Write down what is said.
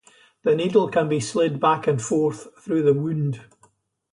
The needle can be slid back and forth through the wound.